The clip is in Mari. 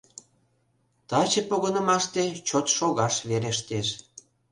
Таче погынымаште чот шогаш верештеш.